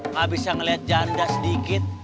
nggak bisa ngelihat janda sedikit